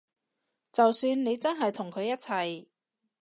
就算你真係同佢一齊